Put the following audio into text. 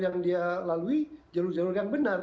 yang dia lalui jalur jalur yang benar